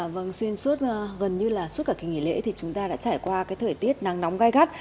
vâng xuyên suốt gần như là suốt cả kỳ nghỉ lễ thì chúng ta đã trải qua cái thời tiết nắng nóng gai gắt